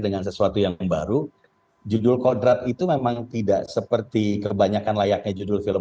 dengan sesuatu yang baru judul kodrat itu memang tidak seperti kebanyakan layaknya judul film